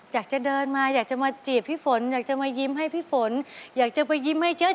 ตื่นน้ำตายใจสลายแหลกลงไปตายทะเล